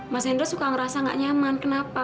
mas hendra suka ngerasa gak nyaman kenapa